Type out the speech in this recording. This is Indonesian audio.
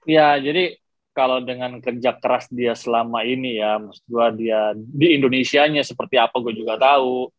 ya jadi kalau dengan kerja keras dia selama ini ya mas dua dia di indonesia nya seperti apa gue juga tahu